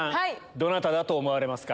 どなただと思われますか？